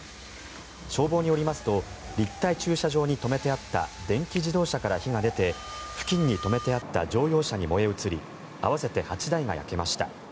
消防によりますと立体駐車場に止めてあった電気自動車から火が出て付近に止めてあった乗用車に燃え移り合わせて８台が焼けました。